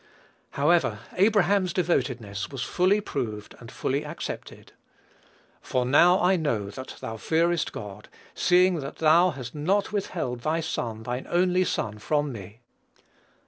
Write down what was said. However, Abraham's devotedness was fully proved and fully accepted. "For now I know that thou fearest God, seeing thou hast not withheld thy son, thine only son, from me."